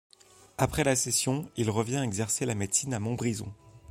Après la session, il revint exercer la médecine a Montbrison.